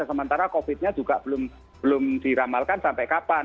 sementara covid nya juga belum diramalkan sampai kapan